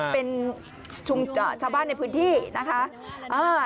เป็นชาวบ้านในพื้นที่นะคะ